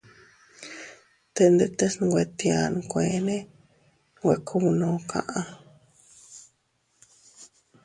Te ndetes nwe tia nkueene nwe kubnus kaʼa.